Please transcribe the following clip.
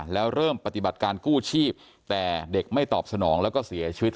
แล้วเริ่มปฏิบัติการกู้ชีพแต่เด็กไม่ตอบสนองแล้วก็เสียชีวิต